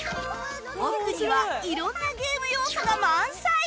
奥には色んなゲーム要素が満載！